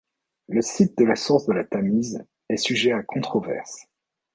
Le site de la source de la Tamise est sujet à controverse.